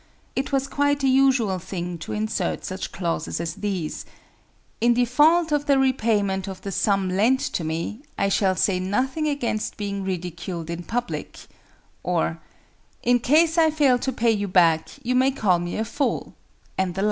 It was quite a usual thing to insert such clauses as these: "In default of the repayment of the sum lent to me, I shall say nothing against being ridiculed in public;" or, "In case I fail to pay you back, you may call me a fool," and the like.